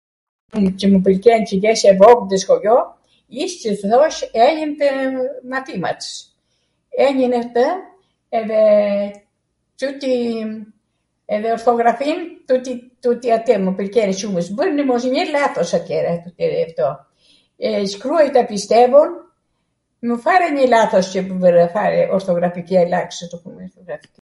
Cw mw pwlqen qw jesh e vogwl nw skolio, ish qw thosh enjwn [ennoia] tw mathimas, enjwn atw, edhe tuti, edhe orthoghrafin, tuti atw, mw pwlqejn shum, zbwnja mosnjw lathos atjere. Shkruajta pistevon farenjw lathos qw bwra, fare orthoghrafiqi lathos...